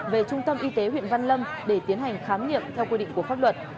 về trung tâm y tế huyện văn lâm để tiến hành khám nghiệm theo quy định của pháp luật